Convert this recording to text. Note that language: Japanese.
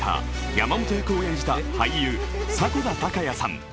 山本役を演じた俳優・迫田孝也さん。